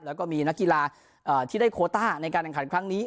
แล้วก็มีนักกีฬาที่ได้โคต้าในการแข่งขันครั้งนี้